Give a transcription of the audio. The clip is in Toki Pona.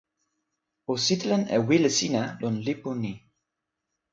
o sitelen e wile sina lon lipu ni.